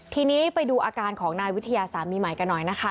ทีนี้ไปดูอาการของนายวิทยาสามีใหม่กันหน่อยนะคะ